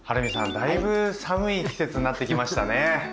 だいぶ寒い季節になってきましたね。